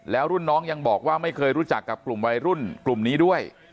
แล้วรุ่นน้องยังบอกว่าไม่เคยรู้จักกับกลุ่มวัยรุ่นกลุ่มนี้ด้วย